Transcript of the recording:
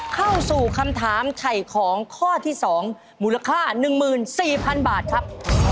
เข้าสู่คำถามไถ่ของข้อที่๒มูลค่า๑๔๐๐๐บาทครับ